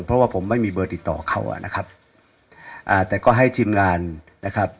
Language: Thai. เพราะว่าผมไม่มีเบอร์ติดต่อเขาอ่ะนะครับอ่าแต่ก็ให้ทีมงานนะครับ